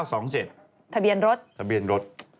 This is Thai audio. แล้วก็๘๙๒๗ทะเบียนรถ